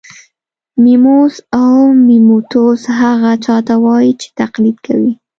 میموس او میموتوس هغه چا ته وايي چې تقلید کوي